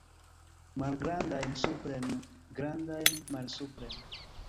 Malgrandajn supren, grandajn malsupren.